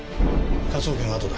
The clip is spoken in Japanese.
科捜研はあとだ。